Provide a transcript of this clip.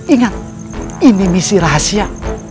ingat ini misi rahasia